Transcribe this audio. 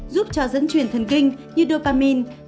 giúp cho dẫn truyền thần kinh như dopamine